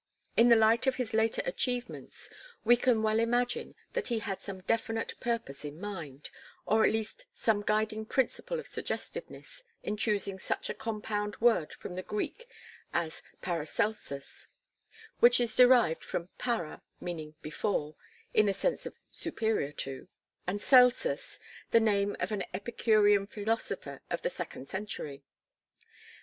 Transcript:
In the light of his later achievements, we can well imagine that he had some definite purpose in mind, or at least some guiding principle of suggestiveness, in choosing such a compound word from the Greek as Paracelsus (which is derived from "para," meaning before, in the sense of superior to, and Celsus, the name of an Epicurean philosopher of the second century.)